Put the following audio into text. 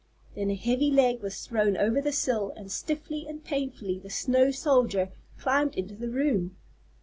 Then a heavy leg was thrown over the sill, and stiffly and painfully the snow soldier climbed into the room.